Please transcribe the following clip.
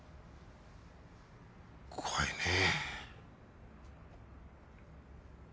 怖いねえ